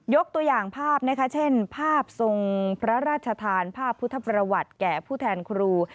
ตัวอย่างภาพนะคะเช่นภาพทรงพระราชทานภาพพุทธประวัติแก่ผู้แทนครู